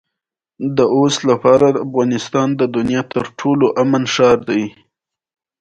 مچان ډېر تند الوزي